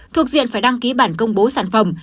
thuộc diện phải đăng ký bản công bố sản phẩm